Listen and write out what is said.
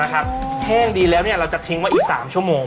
แห้งดีแล้วเราจะทิ้งไว้อีก๓ชั่วโมง